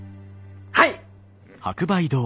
はい！